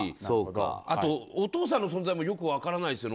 あとお父さんの存在もよく分からないですよね。